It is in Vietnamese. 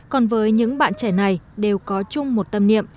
còn với những bạn trẻ này đều có chung một tâm niệm